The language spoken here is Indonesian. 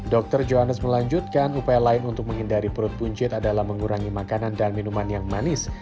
dr johannes melanjutkan upaya lain untuk menghindari perut buncit adalah mengurangi makanan dan minuman yang manis